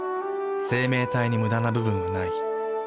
生命体にムダな部分はない。